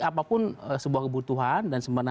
apapun sebuah kebutuhan dan